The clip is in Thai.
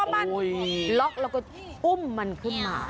มันล็อกแล้วก็อุ้มมันขึ้นมา